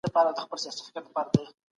هغه په غونډي کي چوپ پاته سو او عزت يې وساتی.